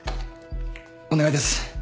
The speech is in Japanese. お願いです。